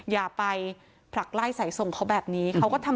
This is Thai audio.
อย่าไปผลักไล่สายส่งเขาแบบนี้